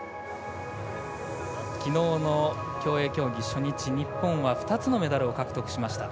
昨日の競泳競技初日、日本は２つのメダルを獲得しました。